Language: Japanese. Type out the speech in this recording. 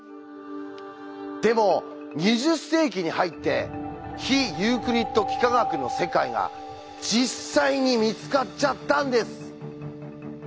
でも２０世紀に入って非ユークリッド幾何学の世界が実際に見つかっちゃったんです。